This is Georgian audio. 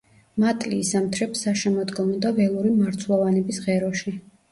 მატლი იზამთრებს საშემოდგომო და ველური მარცვლოვანების ღეროში.